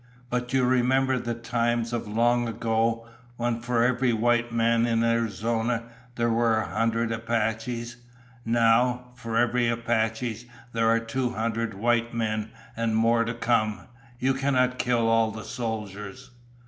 "But you remember the times of long ago, when for every white man in Arizona there were a hundred Apaches. Now, for every Apache, there are two hundred white men and more to come. You cannot kill all the soldiers."